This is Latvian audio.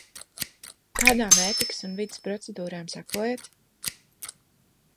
Kādām ētikas un vides procedūrām sekojat?